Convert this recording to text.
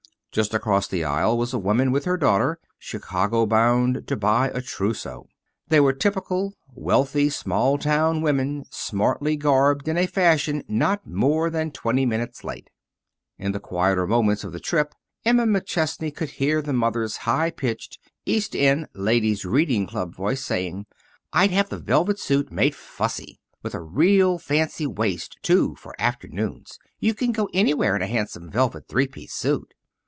Just across the aisle was a woman, with her daughter, Chicago bound to buy a trousseau. They were typical, wealthy small town women smartly garbed in a fashion not more than twenty minutes late. In the quieter moments of the trip Emma McChesney could hear the mother's high pitched, East End Ladies' Reading Club voice saying: "I'd have the velvet suit made fussy, with a real fancy waist to for afternoons. You can go anywhere in a handsome velvet three piece suit."